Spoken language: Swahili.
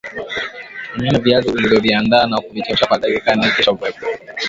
Mimina viazi ulivoviandaa na kuvichemsha kwa dakika nne kisha uepue